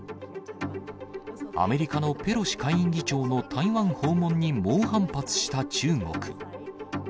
アメリカのペロシ下院議長の台湾訪問に猛反発した中国。